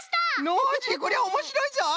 ノージーこりゃおもしろいぞい！